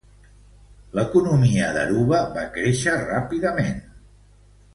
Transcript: L'economia d'Aruba va créixer ràpidament.